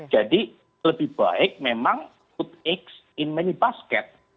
jadi lebih baik memang put eggs in many basket